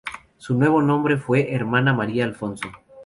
Su nuevo nombre fue Hermana María Alfonso.